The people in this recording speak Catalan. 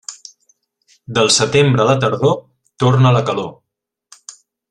Del setembre a la tardor, torna la calor.